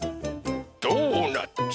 ドーナツ。